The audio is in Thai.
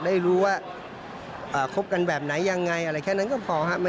ได้รู้ว่าคบกันแบบไหนยังไงอะไรแค่นั้นก็พอครับ